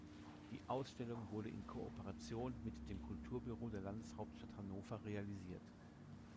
Die Ausstellung wurde in Kooperation mit dem Kulturbüro der Landeshauptstadt Hannover realisiert.